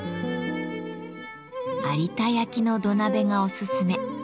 有田焼の土鍋がおすすめ。